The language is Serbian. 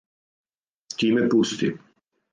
Ти ме пусти.